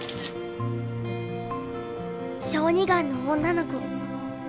小児がんの女の子。